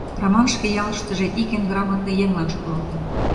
Раман шке ялыштыже ик эн грамотный еҥлан шотлалтын.